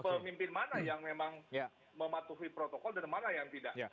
pemimpin mana yang memang mematuhi protokol dan mana yang tidak